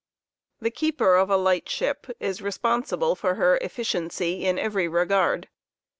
The keeper' of a light ship is responsible for her eflioiency in every regard.